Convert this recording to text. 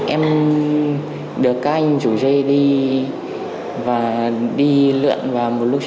em được các anh rủ dê đi và đi lượn vào một lúc sau